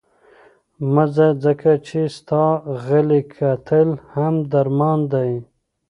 مه ځه، ځکه چې ستا غلي کتل هم درمان دی.